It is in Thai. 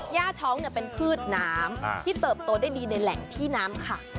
ย่าช้องเป็นพืชน้ำที่เติบโตได้ดีในแหล่งที่น้ำค่ะ